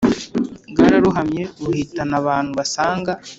Bwararohamye buhitana abantu basaga